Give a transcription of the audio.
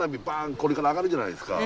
これから上がるじゃないですか。